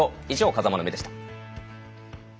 以上、「風間の目」でした。